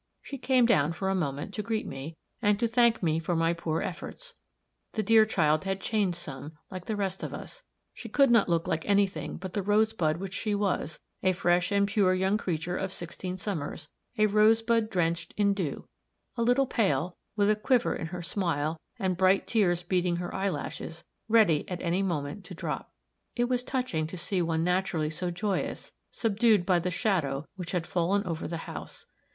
She came down, for a moment, to greet me, and to thank me for my poor efforts. The dear child had changed some, like the rest of us. She could not look like any thing but the rosebud which she was a fresh and pure young creature of sixteen summers a rosebud drenched in dew a little pale, with a quiver in her smile, and bright tears beading her eye lashes, ready, at any moment, to drop. It was touching to see one naturally so joyous, subdued by the shadow which had fallen over the house.